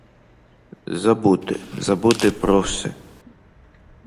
Забути, забути про все!